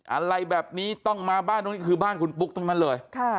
อะไรแบบนี้ต้องมาบ้านตรงนี้คือบ้านคุณปุ๊กทั้งนั้นเลย